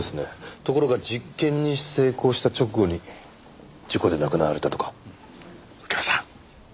ところが実験に成功した直後に事故で亡くなられたとか。右京さん！